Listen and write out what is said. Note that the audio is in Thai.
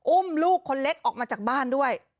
อุ้มลูกคนเล็กออกมาจากบ้านด้วย